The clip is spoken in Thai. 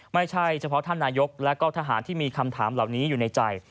ไม่ใช่เฉพาะท่านนายกและก็ทหารที่มีคำถามเหล่านี้อยู่ในใจ